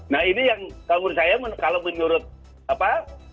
nah ini yang kalau menurut saya kalau menurut apa